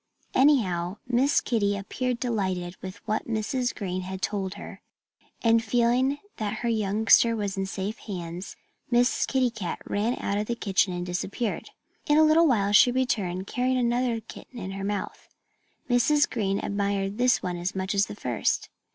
Anyhow, Miss Kitty appeared delighted with what Mrs. Green told her. And feeling that her youngster was in safe hands, Miss Kitty Cat ran out of the kitchen and disappeared. In a little while she returned, carrying another kitten in her mouth. Mrs. Green admired this one as much as the first.